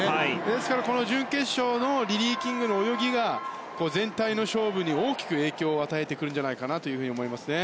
ですから、この準決勝のリリー・キングの泳ぎが全体の勝負に大きく影響を与えてくると思いますね。